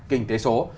kinh tế số